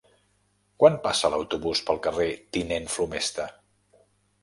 Quan passa l'autobús pel carrer Tinent Flomesta?